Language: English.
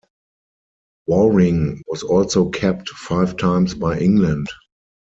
Waring was also capped five times by England.